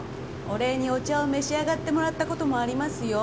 お礼にお茶を召し上がってもらった事もありますよ。